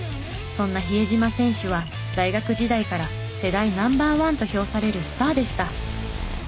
そんな比江島選手は大学時代から世代ナンバーワンと評されるスターでした。